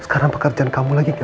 sekarang pekerjaan kamu lagi gak ada